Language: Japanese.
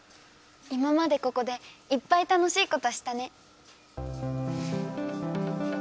今までここでいっぱい楽しいことしたね。